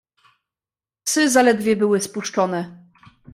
"Psy zaledwie były spuszczone."